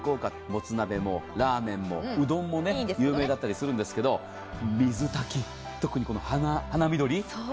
もつ鍋もラーメンもうどんも有名だったりするんですけど水炊き、特に華味鳥。